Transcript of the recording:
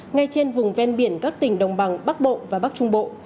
ngay trên vùng ven biển các tỉnh đồng bằng bắc bộ và bắc trung bộ